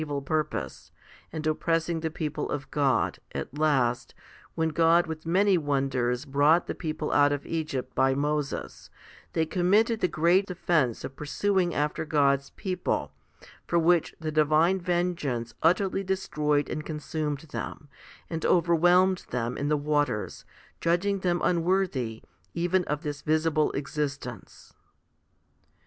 10. z Matt, xviii. 14. 34 FIFTY SPIRITUAL HOMILIES purpose, and oppressing the people of God, at last, when God with many wonders brought the people out of Egypt by Moses, they committed the great offence of pursuing after God's people ; for which the divine vengeance utterly destroyed and consumed them ; and overwhelmed them in the waters, judging them unworthy even of this visible existence.